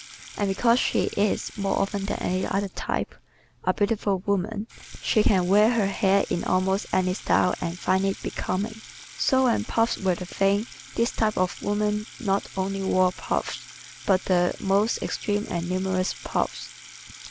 And because she is, more often than any other type, a beautiful woman she can wear her hair in almost any style and find it becoming. So when puffs were the thing this type of woman not only wore puffs but the most extreme and numerous puffs.